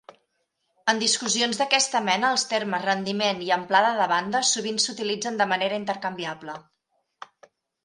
En discussions d'aquesta mena els termes "rendiment" i "amplada de banda" sovint s'utilitzen de manera intercanviable.